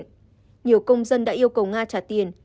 nhiều công dân đã yêu cầu nga trả tiền